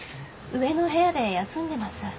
上の部屋で休んでます。